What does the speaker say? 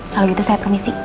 kalau gitu saya permisi